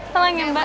tolong ya mbak